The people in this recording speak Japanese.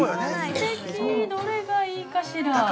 ◆すてき、どれがいいかしら。